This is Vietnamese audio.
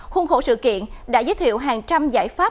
khuôn khổ sự kiện đã giới thiệu hàng trăm giải pháp